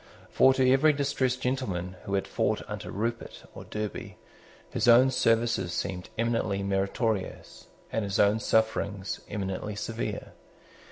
For to every distressed gentleman who had fought under Rupert or Derby his own services seemed eminently meritorious, and his own sufferings eminently severe.